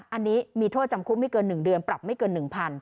อันนี้มีโทษจำคุกไม่เกิน๑เดือนปรับไม่เกิน๑๐๐